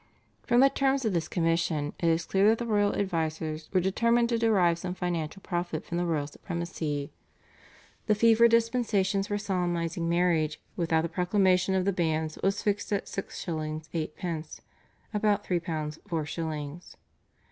From the terms of this commission it is clear that the royal advisers were determined to derive some financial profit from the royal supremacy. The fee for dispensations for solemnising marriage without the proclamation of the banns was fixed at 6s. 8d. (about £3 4s.)